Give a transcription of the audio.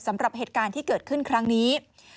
สำหรับเหตุการณ์ที่เกิดขึ้นครั้งนี้